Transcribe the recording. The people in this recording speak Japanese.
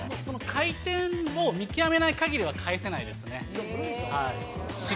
回転を見極めない限りは返せないですね。